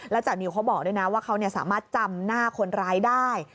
จานิวเขาบอกด้วยนะว่าเขาสามารถจำหน้าคนร้ายได้